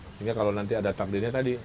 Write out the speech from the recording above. sehingga kalau nanti ada takdirnya tadi